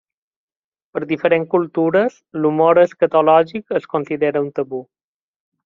Per diferents cultures, l'humor escatològic es considera un tabú.